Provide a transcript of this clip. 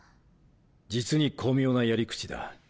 実に巧妙なやり口だ。